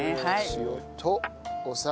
塩とお酒。